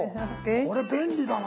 これ便利だな。